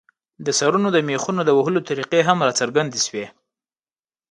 د سرونو د مېخونو د وهلو طریقې هم راڅرګندې شوې.